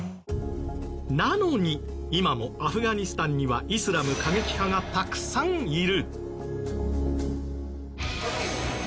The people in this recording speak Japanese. なのに今もアフガニスタンにはイスラム過激派がたくさんいる。